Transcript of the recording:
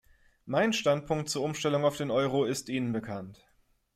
Mein Standpunkt zur Umstellung auf den Euro ist Ihnen bekannt.